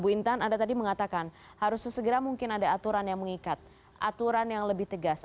bu intan anda tadi mengatakan harus sesegera mungkin ada aturan yang mengikat aturan yang lebih tegas